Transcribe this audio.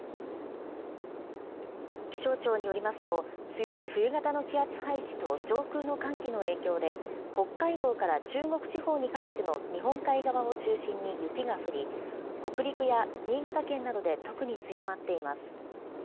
気象庁によりますと、強い冬型の気圧配置と上空の寒気の影響で、北海道から中国地方にかけての日本海側を中心に雪が降り、北陸や新潟県などで特に強まっています。